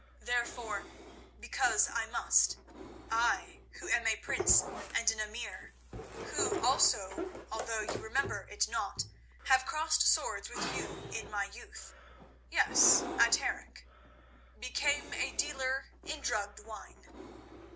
Therefore, because I must, I—who am a prince and an emir, who also, although you remember it not, have crossed swords with you in my youth; yes, at Harenc—became a dealer in drugged wine.